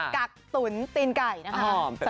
กักตุ๋นตีนไก่นะคะ